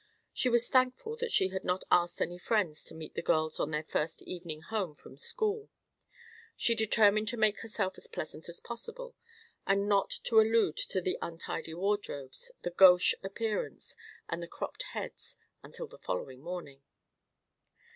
She was thankful that she had not asked any friends to meet the girls on their first evening home from school. She determined to make herself as pleasant as possible, and not to allude to the untidy wardrobes, the gauche appearance, and the cropped heads until the following morning.